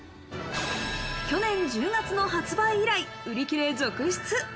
去年１０月の発売以来、売り切れ続出。